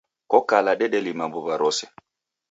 Kokala dedelima mbuw'a rose